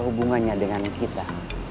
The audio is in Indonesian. hubungannya dengan kita